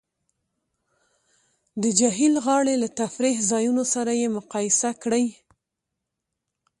د جهیل غاړې له تفریح ځایونو سره یې مقایسه کړئ